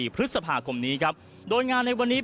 พฤษภาคมนี้ครับโดยงานในวันนี้